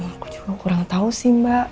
aku juga kurang tahu sih mbak